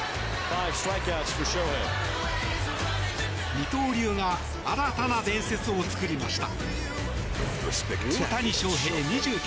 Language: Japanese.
二刀流が新たな伝説を作りました。